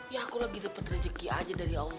ya aku lagi dapet rejeki aja dari allah swt